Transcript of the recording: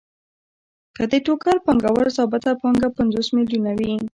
که د ټوکر پانګوال ثابته پانګه پنځوس میلیونه وي